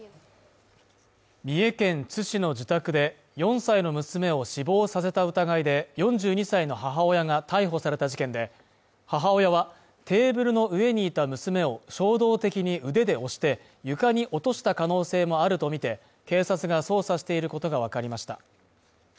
三重県津市の自宅で４歳の娘を死亡させた疑いで、４２歳の母親が逮捕された事件で、母親はテーブルの上にいた娘を衝動的に押して床に落とした可能性もあるとみて、警察が捜査していることがわかりました。